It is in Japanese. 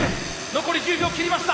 残り１０秒切りました。